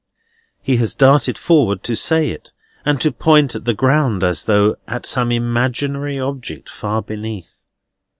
He has darted forward to say it, and to point at the ground, as though at some imaginary object far beneath.